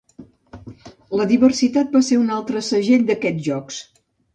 La diversitat va ser un altre segell d'aquests Jocs.